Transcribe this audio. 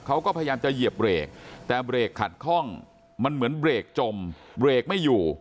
เขาก็พยายามจะเหยียบเบรกแต่เบรกขัดคล่องมันเหมือนเบรกจมเบรกไม่อยู่